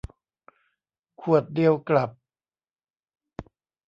ขวดเดียวกลับ